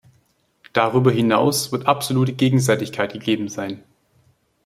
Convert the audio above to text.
Darüber hinaus wird absolute Gegenseitigkeit gegeben sein.